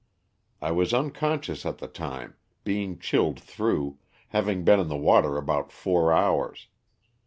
I was unconscious at the time, being chilled through, having been in the water about four hours.